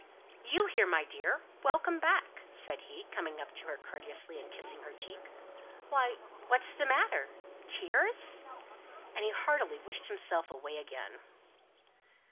"You here, my dear! Welcome back," said he, coming up to her courteously, and kissing her cheek. "Why, what's the matter? Tears?" and he heartily wished himself away again.